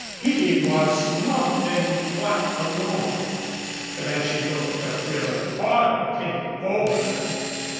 He was not then quite alone. But as she looked a thrill of horror came over her.